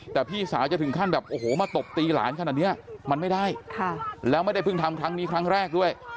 แต่พี่สาวจะถึงขั้นแบบโอ้โหมาตบตีหลานขนาดนี้มันไม่ได้แล้วไม่ได้เพิ่งทำครั้งนี้ครั้งแรกด้วย